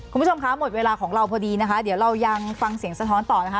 คุณผู้ชมคะหมดเวลาของเราพอดีนะคะเดี๋ยวเรายังฟังเสียงสะท้อนต่อนะคะ